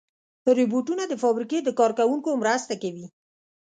روبوټونه د فابریکې د کار کوونکو مرسته کوي.